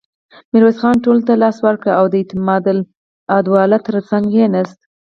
ميرويس خان ټولو ته لاس ورکړ او د اعتماد الدوله تر څنګ کېناست.